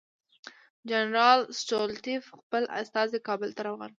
جنرال ستولیتوف خپل استازی کابل ته روان کړ.